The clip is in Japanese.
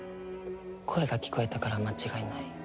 声が聞こえたから間違いない。